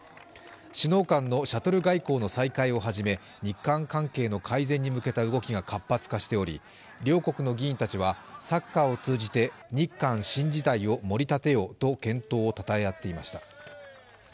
首脳間のシャトル外交の再開をはじめ日韓関係の改善に向けた動きが活発化しており、両国の議員たちはサッカーを通じて日韓新時代を盛り立てようと健闘をたたえ合っていました。